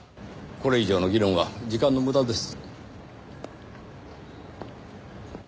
これ以上の議論は時間の無駄です。